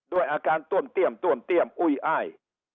ด้วยอาการต้วมเตี้ยมต้วมเตี้ยมอุ้ยอ้าย